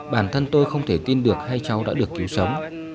bản thân tôi không thể tin được hai cháu đã được cứu sống